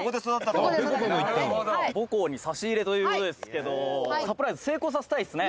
「母校に差し入れという事ですけどサプライズ成功させたいですね」